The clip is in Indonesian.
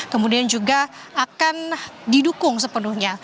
kemudian juga akan didukung sepenuhnya